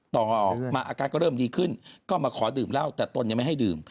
ต่อออกมาอาการก็เริ่มดีขึ้นก็มาขอดื่มเหล้าแต่ตนยังไม่ให้ดื่ม